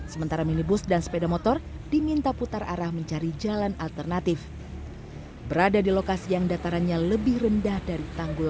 sementara minibus dan sepeda motor diminta putar arah ke tempat yang lebih aman